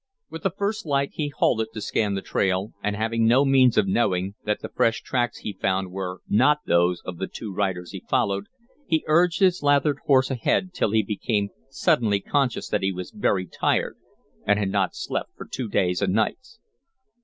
With the first light he halted to scan the trail, and having no means of knowing that the fresh tracks he found were not those of the two riders he followed, he urged his lathered horse ahead till he became suddenly conscious that he was very tired and had not slept for two days and nights.